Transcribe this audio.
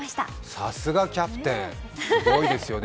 さすがキャプテン、すごいですよね。